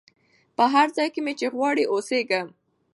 چي په هرځای کي مي وغواړی او سېږم